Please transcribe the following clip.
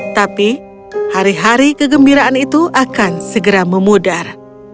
tapi hari hari kegembiraan itu akan segera memudar